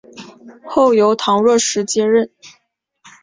后由唐若时接任。